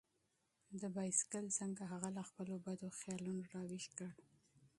د بایسکل زنګ هغه له خپلو بدو خیالونو راویښ کړ.